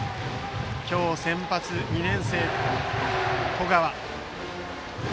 今日、先発は２年生の十川。